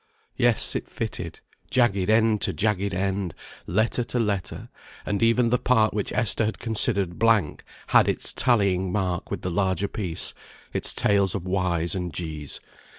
Yes, it fitted; jagged end to jagged end, letter to letter; and even the part which Esther had considered blank had its tallying mark with the larger piece, its tails of _y_s and _g_s.